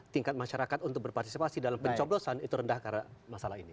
tingkat masyarakat untuk berpartisipasi dalam pencoblosan itu rendah karena masalah ini